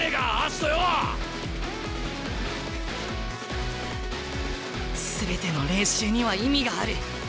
心の声全ての練習には意味がある。